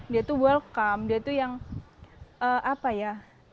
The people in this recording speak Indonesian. dia itu welcome dia itu yang apa ya